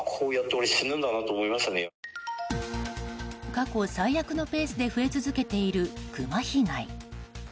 過去最悪のペースで増え続けているクマ被害。